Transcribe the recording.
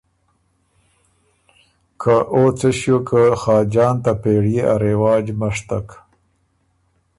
که او څۀ ݭیوک که خاجان ته پېړيې ا رواج مشتک۔